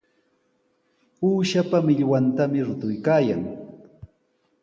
Uushapa millwantami rutuykaayan.